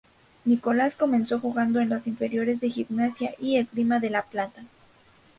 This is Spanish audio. Nicolás comenzó jugando en las inferiores de Gimnasia y Esgrima de La Plata.